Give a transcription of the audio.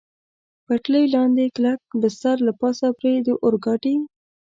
پټلۍ لاندې کلک بستر، له پاسه پرې د اورګاډي.